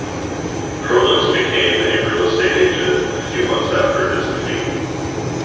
Proulx became a real estate agent a few months after his defeat.